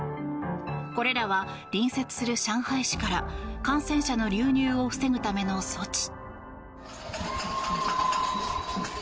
これらは隣接する上海市から感染者の流入を防ぐための措置。